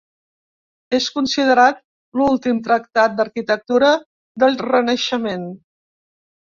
És considerat l'últim tractat d'arquitectura del Renaixement.